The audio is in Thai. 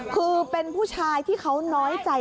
คือเป็นผู้ชายที่เขาน้อยใจ